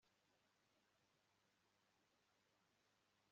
kuko ari umukobwa w umwami bagiye kumuhamba